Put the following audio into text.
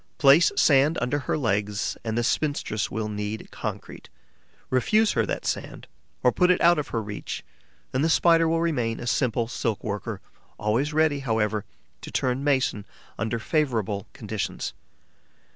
Place sand under her legs and the spinstress will knead concrete; refuse her that sand, or put it out of her reach, and the Spider will remain a simple silk worker, always ready, however, to turn mason under favourable conditions.